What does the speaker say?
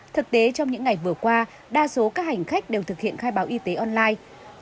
thực tế trong những ngày vừa qua đa số các hành khách đều thực hiện khai báo y tế online